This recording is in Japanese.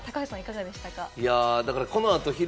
高橋さん、いかがでしたか？